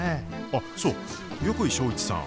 あっそう横井庄一さん。